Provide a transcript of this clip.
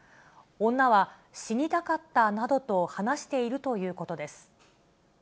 女は、死にたかったなどと話しているということです。